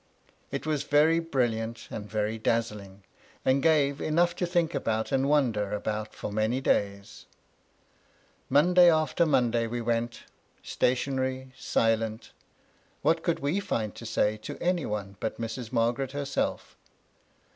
It was very brilliant and very dazzling, and gave enough to think about and wonder about for many days. Monday after Monday we went, stationary, silent ; what could we find to say to any one but Mrs. Mar garet herself?